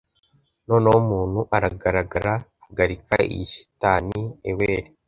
Noneho umuntu aragaragara Hagarika iyi shitani Ewell